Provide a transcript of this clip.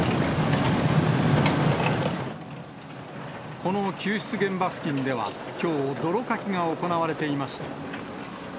この救出現場付近では、きょう、泥かきが行われていました。